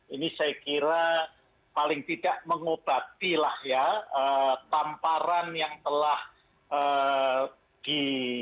ini saya kira paling tidak mengobatilah ya tamparan yang telah di